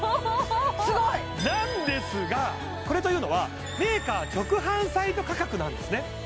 すごい！なんですがこれというのはメーカー直販サイト価格なんですね